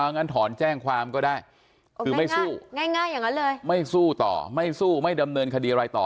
งั้นถอนแจ้งความก็ได้คือไม่สู้ไม่สู้ต่อไม่ดำเนินคดีอะไรต่อ